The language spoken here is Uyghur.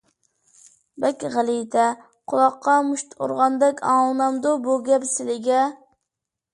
بەك غەلىتە، قۇلاققا مۇشت ئۇرغاندەك ئاڭلىنامدۇ بۇ گەپ سىلىگە؟!